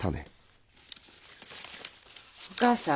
お義母さん。